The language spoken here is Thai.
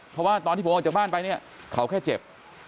เพราะว่าตอนที่ผมออกจากบ้านไปเนี่ยเขาแค่เจ็บ